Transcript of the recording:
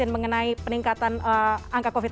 mengenai peningkatan angka covid sembilan